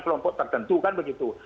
kelompok tertentu kan begitu